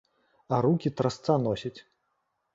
А рукі трасца носіць.